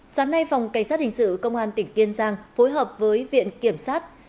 sáng nay phòng cảnh sát hình sự công an tỉnh kiên giang phối hợp với viện kiểm sát